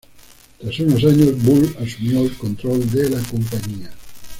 Tras unos años, Bull asumió el control de la compañía.